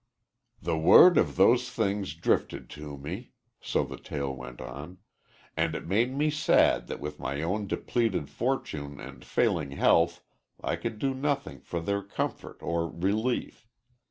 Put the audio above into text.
"The word of those things drifted to me," so the tale went on, "and it made me sad that with my own depleted fortune and failing health I could do nothing for their comfort or relief.